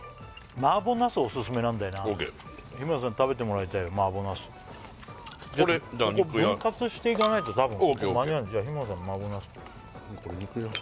麻婆茄子オススメなんだよな日村さんに食べてもらいたいよ麻婆茄子ここ分割していかないとたぶん間に合わないじゃあ日村さんに麻婆茄子これ肉野菜炒め